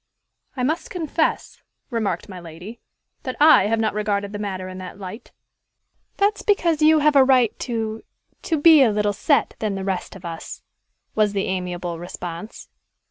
"I must confess," remarked my lady, "that I have not regarded the matter in that light." "That is because you have a better right to to be a little set than the rest of us," was the amiable response.